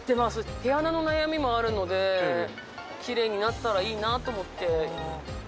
毛穴の悩みもあるので、きれいになったらいいなと思って。